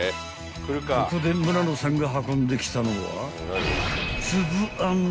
［ここで村野さんが運んできたのは］